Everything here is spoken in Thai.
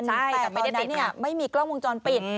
ใช่แต่เนี่ยไม่มีกล้องวงจรปิด